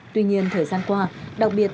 tuy nhiên thời gian qua đặc biệt